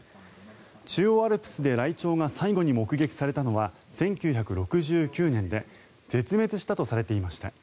中央アルプスでライチョウが最後に目撃されたのは１９６９年で絶滅したとされていました。